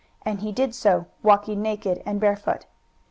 And he did so, walking naked and barefoot.